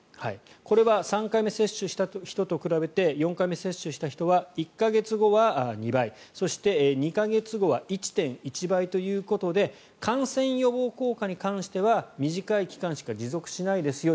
これは３回目接種した人と比べて４回目接種した人は１か月後は２倍そして、２か月後は１．１倍ということで感染予防効果に関しては短い期間しか持続しないですよ